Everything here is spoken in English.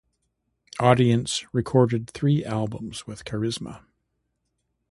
Audience recorded three albums with Charisma.